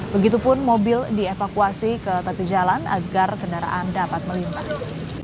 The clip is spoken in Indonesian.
begitupun mobil dievakuasi ke tepi jalan agar kendaraan dapat melintas